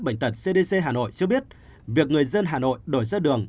bệnh tật cdc hà nội cho biết việc người dân hà nội đổi ra đường